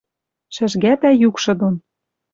Шӹжгӓтӓ юкшы дон